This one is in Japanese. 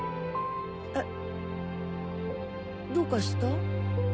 えっ？どうかした？